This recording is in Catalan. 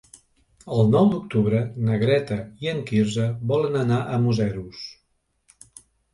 El nou d'octubre na Greta i en Quirze volen anar a Museros.